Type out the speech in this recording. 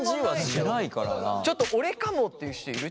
ちょっと俺かもっていう人いる？